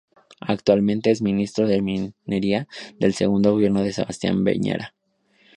Actualmente es ministro de Minería del segundo gobierno de Sebastián Piñera.